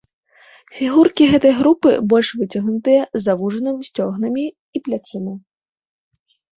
Фігуркі гэтай групы больш выцягнутыя, з завужаным сцёгнамі і плячыма.